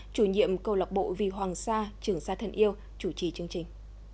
chủ nhiệm câu lạc bộ vì hoàng sa trường sa thân yêu chủ trì chương trình